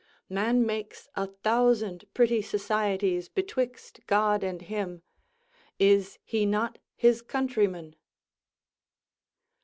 Man makes a thousand pretty societies betwixt God and him; is he not his countryman?